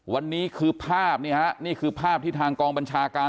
วันนี้คือภาพเนี่ยฮะนี่คือภาพที่ทางกองบัญชาการ